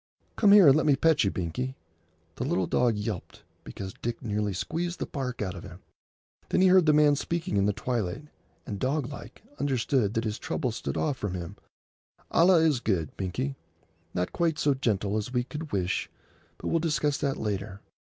Come here and let me pet you, Binkie." The little dog yelped because Dick nearly squeezed the bark out of him. Then he heard the man speaking in the twilight, and, doglike, understood that his trouble stood off from him—"Allah is good, Binkie. Not quite so gentle as we could wish, but we'll discuss that later.